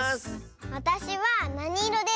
わたしはなにいろですか？